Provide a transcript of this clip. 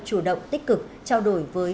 chủ động tích cực trao đổi với